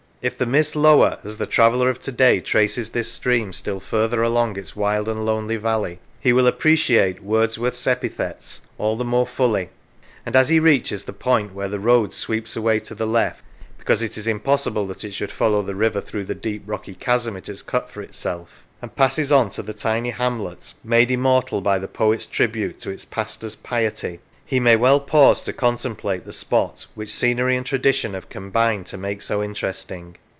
If the mists lower as the traveller of to day traces this stream still further along its wild and lonely valley, he will appreciate Wordsworth's epithets all the more fully; and as he reaches the point where the road sweeps away to the left (because it is impossible that it should follow the river through the deep rocky chasm it has cut for itself), and passes on to the tiny hamlet made immortal by the poet's tribute to its pastor's piety, he may well pause to contemplate the spot which scenery and tradition have combined to make so interesting.